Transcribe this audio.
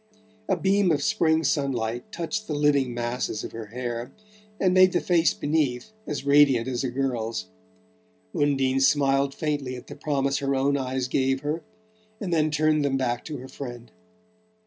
A beam of spring sunlight touched the living masses of her hair and made the face beneath as radiant as a girl's. Undine smiled faintly at the promise her own eyes gave her, and then turned them back to her friend.